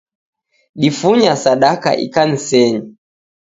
Difunya sadaka ikansenyi.